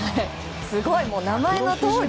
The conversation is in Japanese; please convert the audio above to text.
すごい、名前のとおり！